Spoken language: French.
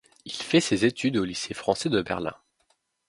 Il fait ses études au Lycée français de Berlin.